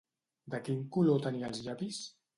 De quin color tenia els llavis?